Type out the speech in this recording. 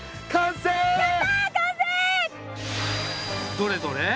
どれどれ